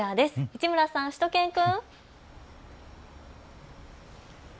市村さん、しゅと犬くん。